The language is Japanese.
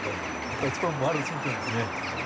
やっぱり一番はワールドチャンピオンですね。